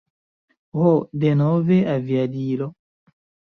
Ho, denove aviadilo.